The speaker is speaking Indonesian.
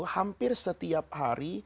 hampir setiap hari